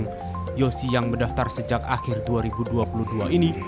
yang yosi yang mendaftar sejak akhir dua ribu dua puluh dua ini